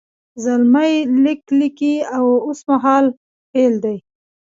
زلمی لیک لیکي اوس مهال فعل دی.